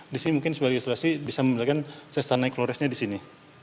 di sini mungkin sebagai istilasi bisa memiliki sesar naik floresnya di sini